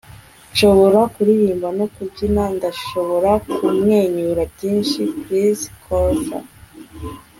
nshobora kuririmba no kubyina. ndashobora kumwenyura - byinshi. - chris colfer